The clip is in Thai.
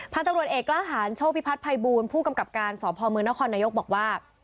พันธุ์ตรวจเอกล้าหารโชคพิพัฒน์ไพบูลผู้กำกับการสอบภอมือนครนโยกบอกว่า